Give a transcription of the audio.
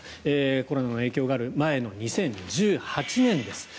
コロナの影響がある前の２０１８年です。